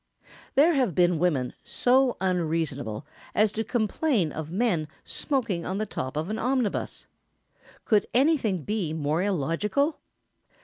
] There have been women so unreasonable as to complain of men smoking on the top of an omnibus. Could anything be more illogical?